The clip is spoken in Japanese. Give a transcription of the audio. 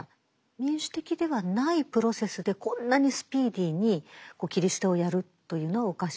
民主的ではないプロセスでこんなにスピーディーに切り捨てをやるというのはおかしい。